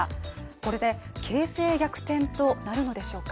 これで形勢逆転となるのでしょうか？